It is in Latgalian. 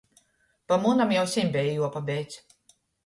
Pa munam jau seņ beja juopabeidz.